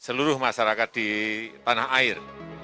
seluruh masyarakat di tanah air